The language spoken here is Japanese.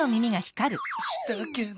したけど。